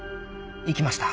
行きました。